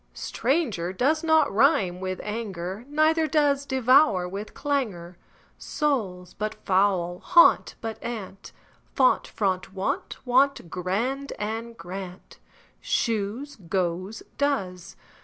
Stranger does not rime with anger, Neither does devour with clangour. Soul, but foul and gaunt, but aunt; Font, front, wont; want, grand, and, grant, Shoes, goes, does.